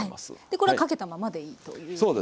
これかけたままでいいということで。